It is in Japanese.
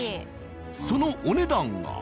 そのお値段が。